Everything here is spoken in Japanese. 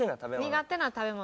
苦手な食べ物。